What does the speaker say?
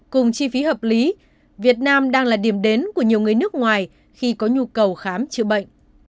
cùng chi phí hợp lý việt nam đang là điểm đến của nhiều người nước ngoài khi có nhu cầu khám chữa bệnh